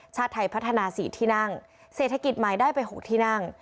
ชาติไทยพัฒนา๔ที่นั่งเศรษฐกิจใหม่ได้ไป๖ที่นั่ง